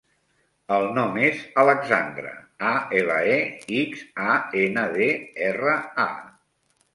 El nom és Alexandra: a, ela, e, ics, a, ena, de, erra, a.